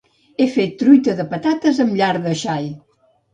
He fet truita de patates amb llard de xai.